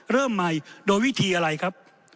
เริ่มใหม่โดยวิธีอะไรครับ